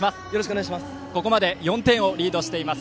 ここまで４点をリードしています。